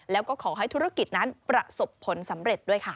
แล้วก็ขอให้ธุรกิจนั้นประสบผลสำเร็จด้วยค่ะ